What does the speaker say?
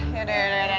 yaudah yaudah yaudah